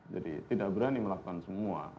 jadi tidak berani melakukan semua